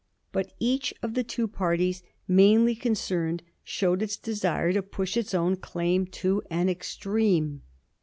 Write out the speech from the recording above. But each of the two parties mainly concerned showed its de sire to push its own claim to an extreme.